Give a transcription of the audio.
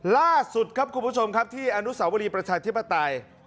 ล่าสุดครับคุณผู้ชมครับที่อนุสาวรีประชาธิปไตย